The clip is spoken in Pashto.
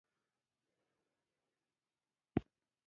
هغو تولیدونکو چې غوره وسایل لرل سرمایه دار شول.